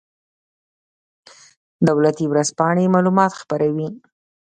دولتي ورځپاڼې معلومات خپروي